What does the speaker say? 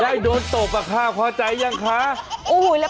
ได้ค่ะได้โต๊ะตบหัวใจเหรี้ยง